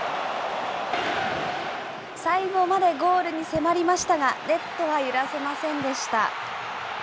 最後までゴールに迫りましたが、ネットは揺らせませんでした。